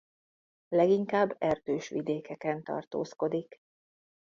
Leginkább erdős vidékeken tartózkodik.